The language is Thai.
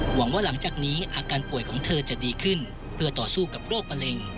หวังว่าหลังจากนี้อาการป่วยของเธอจะดีขึ้นเพื่อต่อสู้กับโรคมะเร็ง